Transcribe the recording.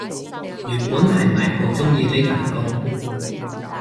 原本係咪好鍾意呢份工